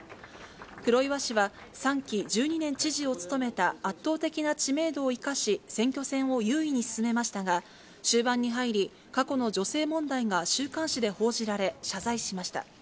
黒岩氏は３期１２年知事を務めた圧倒的な知名度を生かし、選挙戦を優位に進めましたが、終盤に入り、過去の女性問題が週刊誌で報じられ謝罪しました。